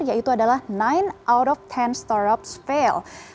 yaitu adalah sembilan out of sepuluh startups fail